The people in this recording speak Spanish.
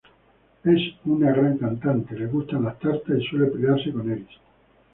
Es una gran cantante, le gustan las tartas y suele pelearse con Eris.